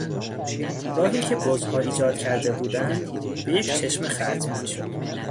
راهی که بزها ایجاد کرده بودند به یک چشمه ختم میشد.